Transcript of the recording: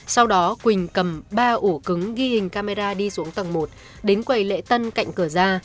sau đó quỳnh cầm ba ổ cứng ghi hình camera đi xuống tầng một đến quầy lễ tân cạnh cửa ra